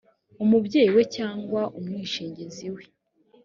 umubyeyi we cyangwa umwishingizi we